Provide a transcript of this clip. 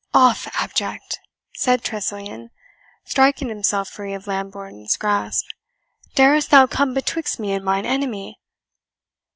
"Off, abject!" said Tressilian, striking himself free of Lambourne's grasp; "darest thou come betwixt me and mine enemy?"